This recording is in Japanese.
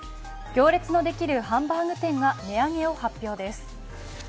行列のできるハンバーグ店が値上げを発表です。